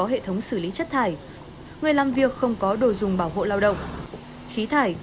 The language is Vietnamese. sử dụng xử lý chất thải người làm việc không có đồ dùng bảo hộ lao động khí thải